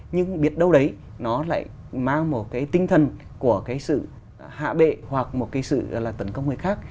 nhưng biết đâu đấy nó lại mang một cái tinh thần của cái sự hạ bệ hoặc một cái sự là tấn công người khác